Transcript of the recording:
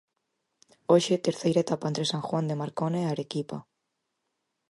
Hoxe, terceira etapa entre San Juan de Marcona e Arequipa.